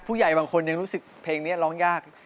ผู้ใหญ่บางคนยังรู้สึกเพลงนี้ร้องยาก